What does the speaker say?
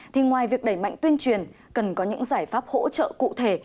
thì ngoài việc đẩy mạnh tuyên truyền cần có những giải pháp hỗ trợ cụ thể